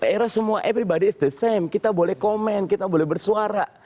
era semua everybody is the same kita boleh komen kita boleh bersuara